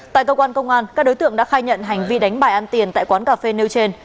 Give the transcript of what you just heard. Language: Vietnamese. tại cơ quan công an các đối tượng đã khai nhận hành vi đánh bài ăn tiền tại quán cà phê nêu trên